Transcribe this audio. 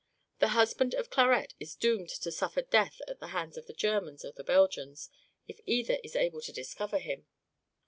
The husband of Clarette is doomed to suffer death at the hands of the Germans or the Belgians, if either is able to discover him."